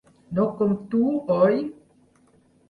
No com tu, oi?